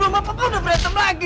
tokong apa apa udah berantem lagi